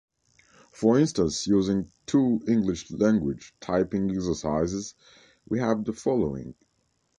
For instance, using two English language typing exercises, we have the following.